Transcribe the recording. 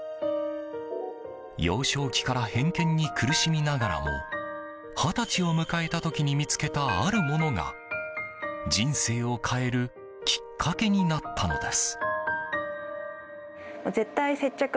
幼少期から偏見に苦しみながらも二十歳を迎えたある時に見つけた、あるものが人生を変えるきっかけになったのです。